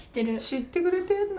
知ってくれているんだ。